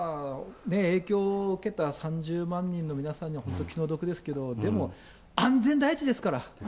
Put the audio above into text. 影響受けた３０万人の皆さんには本当、気の毒ですけど、でも、安全第一ですから。